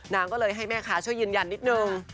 นางก็เลยให้แม่ค้าช่วยยืนยันนิดนึง